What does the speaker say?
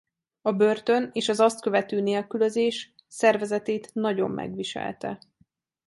A börtön és az azt követő nélkülözés szervezetét nagyon megviselte.